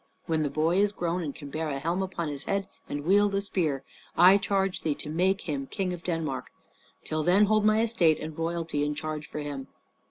When the boy is grown and can bear a helm upon his head and wield a spear, I charge thee to make him king of Denmark. Till then hold my estate and royalty in charge for him."